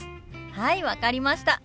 はい分かりました！